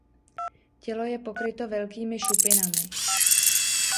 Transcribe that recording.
Tělo je pokryto velkými šupinami.